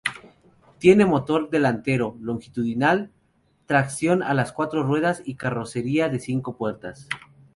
Tiene motor delantero longitudinal, tracción a las cuatro ruedas y carrocería de cinco puertas.